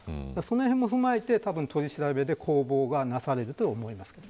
そのへんも踏まえて取り調べで攻防がなされると思います。